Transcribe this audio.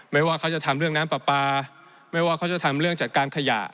ไม่ว่าเขาจะทำเรื่องน้ำปลาปลาไม่ว่าเขาจะทำเรื่องจัดการขยะ